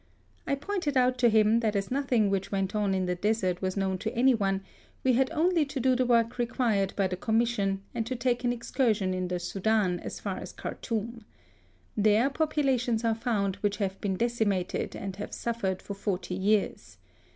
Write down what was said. I pointed out to him that as nothing which went on in the desert was known to any one, we had only to do the work required by the Commission, and to take an excursion in the Soudan as far as Khartoum. There populations are found which have been decimated, and have suf fered for forty years.